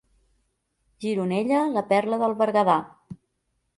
Gironella, la perla del Berguedà.